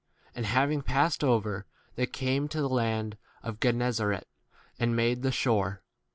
And having passed over, they came to the land of Gennesaret and made the 54 shore.